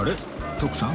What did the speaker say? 徳さん？